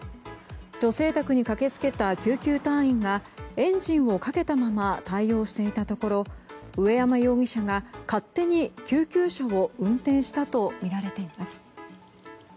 女性宅に駆け付けた救急隊員がエンジンをかけたまま対応していたところ上山容疑者が勝手に救急車を運転したとみられています。